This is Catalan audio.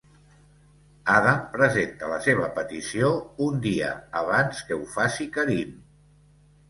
Adam presenta la seva petició un dia abans que ho faci Kareem.